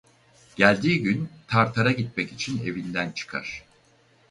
Geldiği gün Tartar'a gitmek için evinden çıkar.